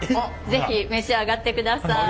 是非召し上がってください。